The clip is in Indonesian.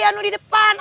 anu di depan